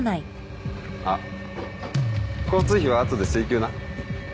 あっ交通費は後で請求な。